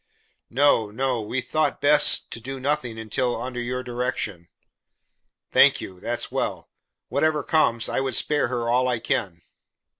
"No, no. We thought best to do nothing until under your direction." "Thank you. That's well. Whatever comes, I would spare her all I can."